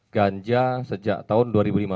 ganja sejak tahun dua ribu lima belas